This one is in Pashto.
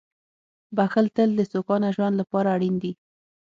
• بښل تل د سوکاله ژوند لپاره اړین دي.